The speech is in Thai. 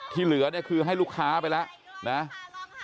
ที่เหลือคือให้ลูกค้าไปแล้ว